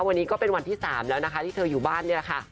วันนี้ก็เป็นวันที่สามที่เธออยู่บ้าน